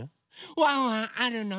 ワンワンあるのよね。